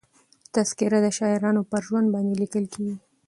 تذکره د شاعرانو پر ژوند باندي لیکل کېږي.